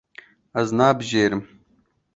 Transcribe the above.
Ez nabijêrim.